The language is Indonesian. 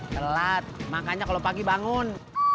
telat makanya kalau pagi bangun